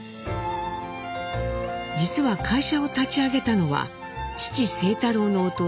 実は会社を立ち上げたのは父清太郎の弟